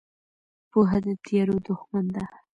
پوهه د تیارو دښمن ده.